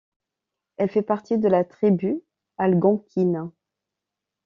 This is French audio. Il fait partie de la tribu algonquine.